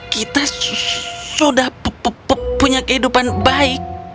kita sudah punya kehidupan baik